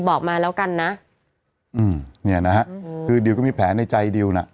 บอกมาแล้วกันนะอืมเนี่ยนะฮะคือดิวก็มีแผลในใจดิวน่ะ